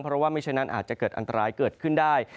เพราะว่าไม่เช่นนั้นอาจจะเกิดอันตรายเกิดขึ้นได้